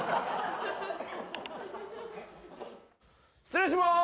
失礼します！